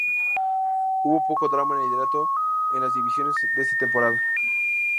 Hubo poco drama en el liderato en las divisiones en esta temporada.